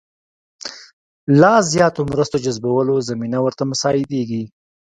لا زیاتو مرستو جذبولو زمینه ورته مساعدېږي.